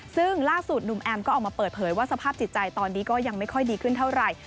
ซึ่งล่าสุดหนุ่มแอมก็ออกมาเปิดเผยว่าสภาพจิตใจตอนนี้ก็ยังไม่ค่อยดีขึ้นเท่าไหร่